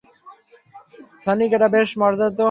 Sonic, এটা বেশ মজার তো!